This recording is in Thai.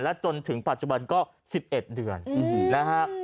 และจนถึงปัจจุบันก็๑๑เดือนนะครับ